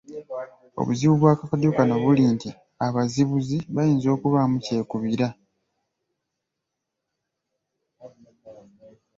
Obuzibu bw’akakodyo kano buli nti abazibuzi bayinza okubaamu kyekubiira.